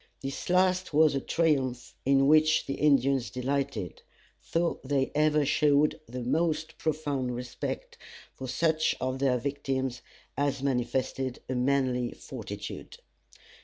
This last was a triumph in which the Indians delighted, though they ever showed the most profound respect for such of their victims as manifested a manly fortitude.